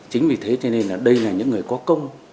chính vì thế cho nên là đây là những người có công